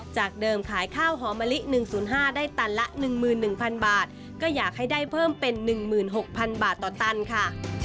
จากเดิมขายข้าวหอมะลิ๑๐๕ได้ตันละ๑๑๐๐๐บาทก็อยากให้ได้เพิ่มเป็น๑๖๐๐๐บาทต่อตันค่ะ